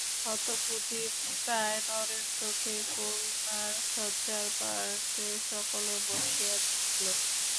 হতবুদ্ধিপ্রায় নরেন্দ্রকে করুণার শয্যার পার্শ্বে সকলে বসাইয়া দিল।